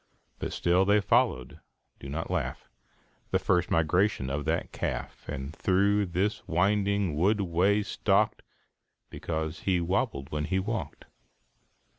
But still they followed do not laugh The first migrations of that calf, And through this winding wood way stalked, Because he wobbled when he walked.